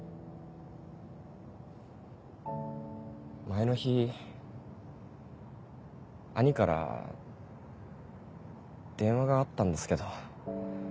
前の日兄から電話があったんですけど。